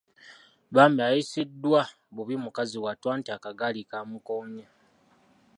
Bambi ayisiddwa bubi mukazi wattu anti akagaali kaamukoonye.